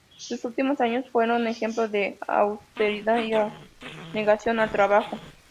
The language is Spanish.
Sus últimos años fueron ejemplo de austeridad y abnegación al trabajo.